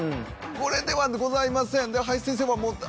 これではございません。